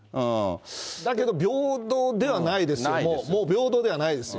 だけど、平等ではないですよ、平等ではないですよ。